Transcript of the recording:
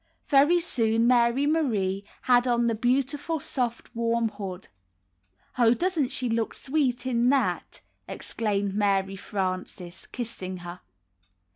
Very soon Mary Marie had on the beautiful soft warm hood. ''Oh, doesn't she look sweet in that?" exclaimed Mary Frances, kissing her.